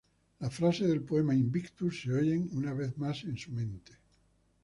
Las frases del poema "Invictus", se oyen una vez más en su mente.